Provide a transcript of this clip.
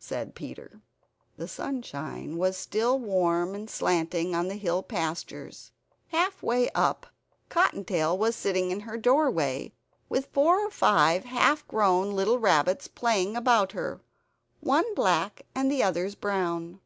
said Peter. The sunshine was still warm and slanting on the hill pastures. Half way up, Cottontail was sitting in her doorway, with four or five half grown little rabbits playing about her; one black and the others brown.